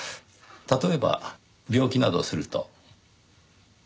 例えば病気などをすると。